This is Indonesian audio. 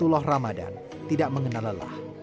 sullah ramadan tidak mengenal lelah